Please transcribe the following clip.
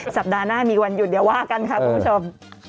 สัปดาห์หน้ามีวันหยุดเดี๋ยวว่ากันค่ะคุณผู้ชม